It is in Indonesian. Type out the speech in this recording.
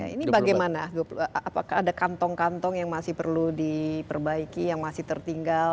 ini bagaimana apakah ada kantong kantong yang masih perlu diperbaiki yang masih tertinggal